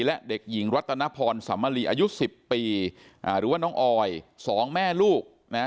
และเด็กหญิงรัตนพรสำมรีอายุ๑๐ปีหรือว่าน้องออย๒แม่ลูกนะฮะ